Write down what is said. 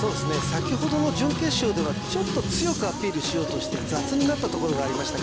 先ほどの準決勝ではちょっと強くアピールしようとして雑になったところがありました